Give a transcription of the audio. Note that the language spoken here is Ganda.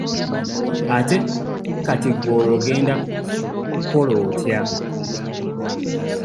Ate kati olwo gwe ogenda kukola otya?